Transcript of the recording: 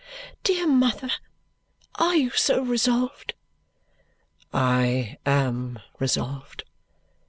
"Dear mother, are you so resolved?" "I AM resolved.